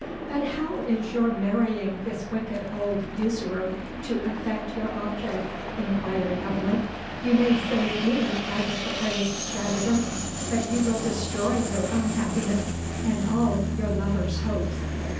"But how is your marrying this wicked old usurer to effect your object?" inquired Aveline. "You may save me by the proposed stratagem; but you will destroy your own happiness, and all your lover's hopes."